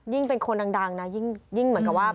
เป็นคนดังนะยิ่งเหมือนกับว่า